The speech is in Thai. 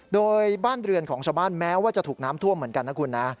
โดยบ้านเรือนของชาวบ้านแม้ว่าจะถูกน้ำท่วมเหมือนกันนะคุณนะ